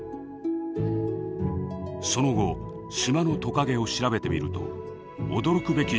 その後島のトカゲを調べてみると驚くべき事実が分かりました。